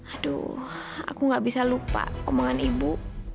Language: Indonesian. aduh aku gak bisa lupa omongan ibu